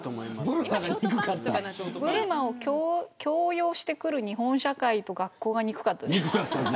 ブルマを強要してくる日本社会と学校が憎かったです。